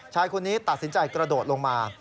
ชายคนนี้ตัดสินใจกระโดดลงมา